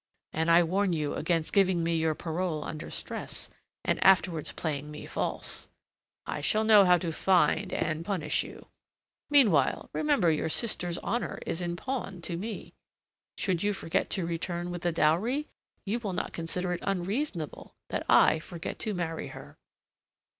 And I warn you against giving me your parole under stress, and afterwards playing me false. I shall know how to find and punish you. Meanwhile, remember your sister's honour is in pawn to me. Should you forget to return with the dowry, you will not consider it unreasonable that I forget to marry her."